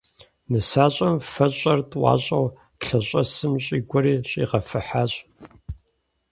Нысащӏэм фэщӏэр тӏуащӏэу лъэщӏэсым щӏигуэри щӏигъэфыхьащ.